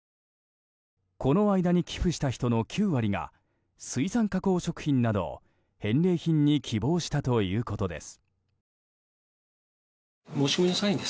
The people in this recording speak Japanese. この間に寄付した人の９割が水産加工食品などを返礼品に希望したということです。